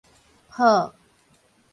粕